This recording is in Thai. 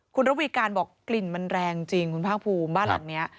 คุณระวีการบอกกลิ่นมันแรงจริงคุณภาคภูมิบ้านหลังนี้